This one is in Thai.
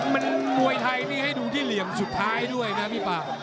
มันมวยไทยนี่ให้ดูที่เหลี่ยมสุดท้ายด้วยนะพี่ป่า